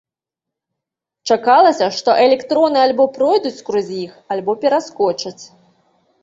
Чакалася, што электроны альбо пройдуць скрозь іх, альбо пераскочаць.